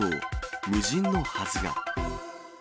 無人のはずが。